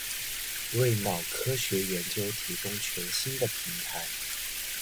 为脑科学研究提供全新的平台